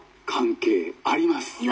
「関係あります」。